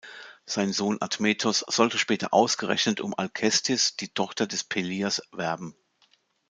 Sein Sohn Admetos sollte später ausgerechnet um Alkestis, die Tochter des Pelias, werben.